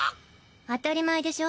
当たり前でしょ。